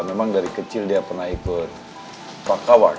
memang dari kecil dia pernah ikut parkour